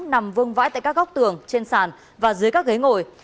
nằm vương vãi tại các góc tường trên sàn và dưới các ghế ngồi